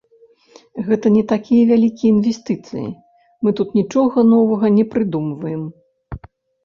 Гэта не такія вялікія інвестыцыі, мы тут нічога новага не прыдумваем.